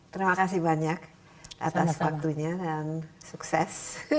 terima kasih banyak atas waktunya dan sukses